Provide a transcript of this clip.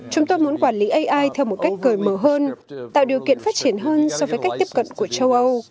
chúng tôi muốn quản lý ai theo một cách cởi mở hơn tạo điều kiện phát triển hơn so với cách tiếp cận của châu âu